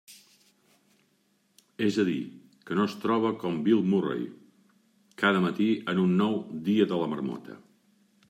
És a dir, que no es trobe com Bill Murray cada matí en un nou «dia de la marmota».